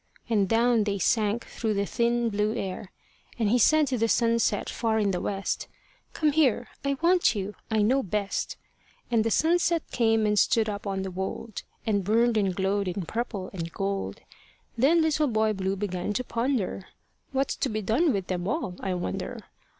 And down they sank through the thin blue air. And he said to the sunset far in the West, "Come here; I want you; I know best." And the sunset came and stood up on the wold, And burned and glowed in purple and gold. Then Little Boy Blue began to ponder: "What's to be done with them all, I wonder."